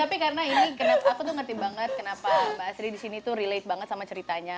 tapi karena ini aku tuh ngerti banget kenapa mbak asri disini tuh relate banget sama ceritanya